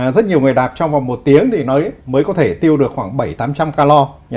rất nhiều người đạp trong vòng một tiếng thì mới có thể tiêu được khoảng bảy trăm linh tám trăm linh calo